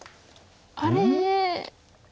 あれ？